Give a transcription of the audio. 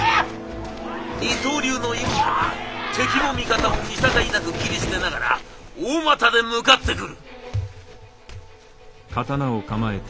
二刀流の伊牟田が敵も味方も見境なく斬り捨てながら大股で向かってくる！